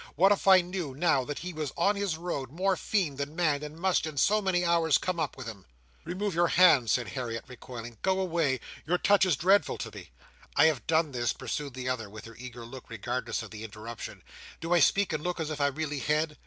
What if I knew, now, that he was on his road, more fiend than man, and must, in so many hours, come up with him?" "Remove your hand!" said Harriet, recoiling. "Go away! Your touch is dreadful to me!" "I have done this," pursued the other, with her eager look, regardless of the interruption. "Do I speak and look as if I really had?